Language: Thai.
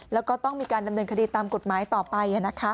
แล้วก็ต้องมีการดำเนินคดีตามกฎหมายต่อไป